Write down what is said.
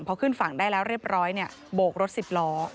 พอขึ้นฝั่งได้แล้วเรียบร้อยโบกรถสิบล้อ